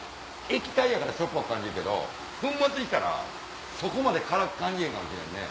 液体やからしょっぱく感じるけど粉末にしたらそこまで辛く感じへんかもしれんね。